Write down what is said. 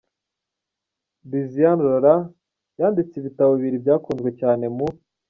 Lysiane Rolland yanditse ibitabo bibiri byakunzwe cyane mu.